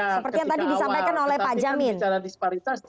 seperti yang tadi disampaikan oleh pak jamin